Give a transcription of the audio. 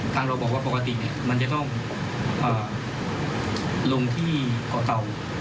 เราบอกว่าปกติมันจะต้องลงที่เกาะเตา